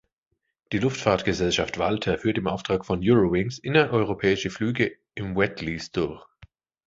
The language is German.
Die Luftfahrtgesellschaft Walter führt im Auftrag von Eurowings innereuropäische Flüge im Wetlease durch.